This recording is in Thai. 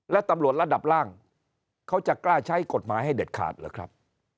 และตำรวจระดับล่างเขาจะกล้าใช้กฎหมายให้เด็ดขาดเหรอครับ